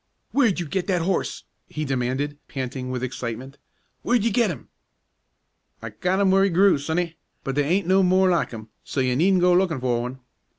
"Where'd you get that horse?" he demanded, panting with excitement. "Where'd you get him?" "I got 'im where 'e grew, sonny, but they aint no more like 'im, so you needn't go lookin' for one."